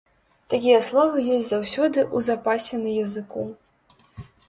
Такія словы ёсць заўсёды ў запасе на языку.